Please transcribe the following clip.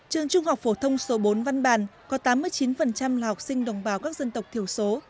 trường trung học phổ thông số bốn văn bản có tám mươi chín là học sinh đồng bào các dân tộc thiểu số